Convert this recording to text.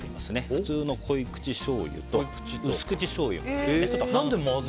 普通の濃口しょうゆと薄口しょうゆも。